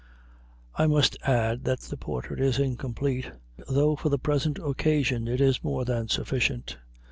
I must add that the portrait is incomplete, though for the present occasion it is more than sufficient.